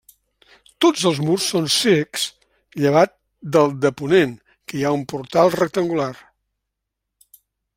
Tots els murs són cecs llevat del de ponent que hi ha un portal rectangular.